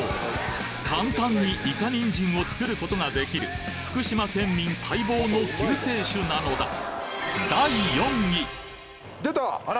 簡単にいか人参を作ることができる福島県民待望の救世主なのだあら？